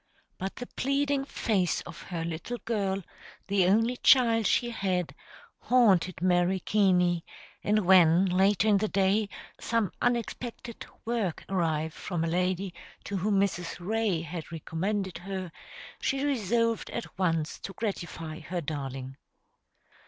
But the pleading face of her little girl, the only child she had, haunted Mary Keaney, and when, later in the day, some unexpected work arrived from a lady to whom Mrs. Ray had recommended her, she resolved at once to gratify her darling.